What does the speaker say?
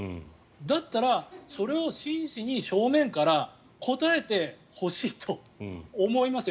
だったらそれを真摯に正面から答えてほしいと思いますよ。